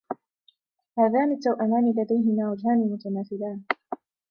هذان التوأمان لديهما وجهان متماثلان.